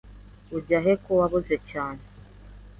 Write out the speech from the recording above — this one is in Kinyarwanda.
Ujyahe ko wabuze cyane ?